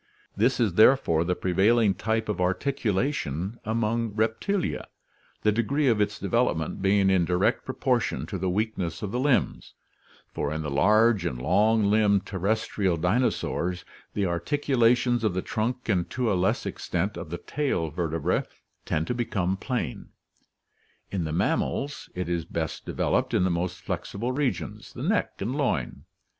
This is therefore the prevailing type of articulation among Reptilia, the degree of its development being in direct proportion to the weak ness of the limbs, for in the large and long limbed terrestrial dino saurs the articulations of the trunk and to a less extent of the tail vertebrae tend to become plane. In the mammals it is best de veloped in the most flexible regions, the neck and loin.